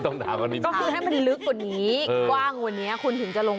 ต้องหนากว่านี้ต้องให้มันลึกกว่านี้กว้างกว่านี้คุณถึงจะลงไปได้